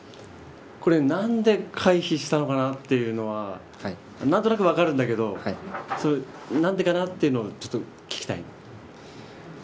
これ、何で回避したのかなというのは何となく分かるんだけど何でかなっていうのを聞きたい。